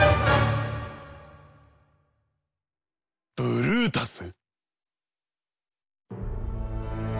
ブルータス！